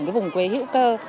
cái vùng quế hữu cơ